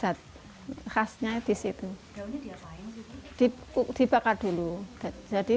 karena khasnya itu daunnya there's many cat the last time i